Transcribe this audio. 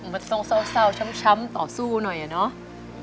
มันต้องเศร้าช้ำต่อสู้หน่อยอะเนาะ